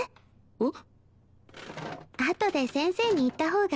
えっ？